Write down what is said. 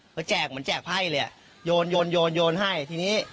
เขาแจกเหมือนแจกไพ่เลยอ่ะโยนโยนโยนให้ทีนี้